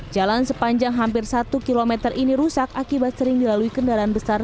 jalan sepanjang hampir satu km ini rusak akibat sering dilalui kendaraan besar